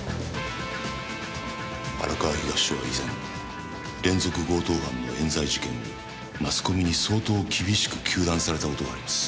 荒川東署は以前連続強盗犯の冤罪事件をマスコミに相当厳しく糾弾された事があります。